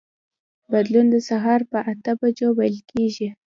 بدلون د سهار په اته بجو پیل کېږي.